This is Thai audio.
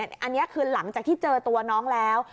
อันนี้คือหลังจากที่เจอตัวน้องแล้ว